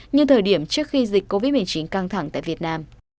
như thời điểm trước khi dịch covid một mươi chín căng thẳng tại việt nam